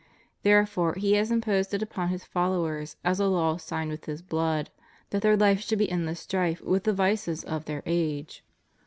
Therefore He has imposed it upon His followers as a law signed with His blood that their life should be an endless strife with the vices of their age.